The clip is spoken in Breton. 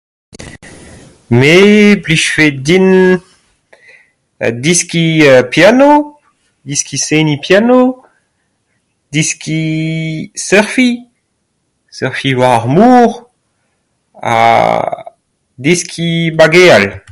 Me blijfe din deskiñ piano, deskiñ seniñ piano. Deskiñ surfiñ, surfiñ war ar mor ha deskiñ bageal.